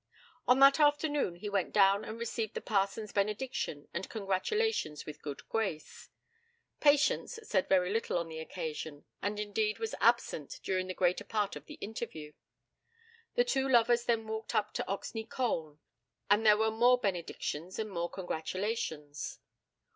On that afternoon he went down and received the parson's benediction and congratulations with a good grace. Patience said very little on the occasion, and indeed was absent during the greater part of the interview. The two lovers then walked up to Oxney Colne, and there were more benedictions and more congratulations.